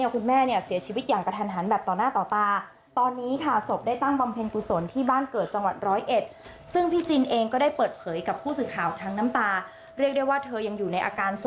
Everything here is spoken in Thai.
พี่จินตระภูราบเลยก็ว่าได้